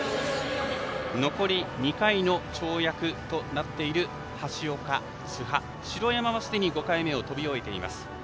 残り２回の跳躍となっている橋岡、津波、城山はすでに５回目を跳び終えています。